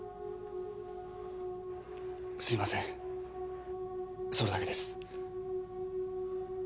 ・すいません・それだけです。